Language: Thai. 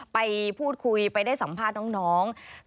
ไปพูดคุยไปได้สัมภาษณ์น้อง